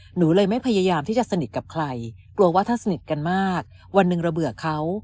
หนูเลยไม่พยายามที่จะสนิทกับใครกลัวว่าถ้าสนิทกันมากวันหนึ่งเราเบื่อเขา